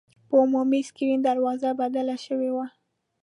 په عمومي سکرین دروازه بدله شوې وه.